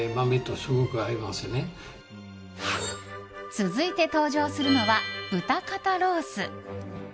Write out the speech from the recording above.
続いて登場するのは豚肩ロース。